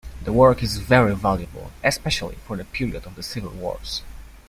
The work is very valuable, especially for the period of the civil wars.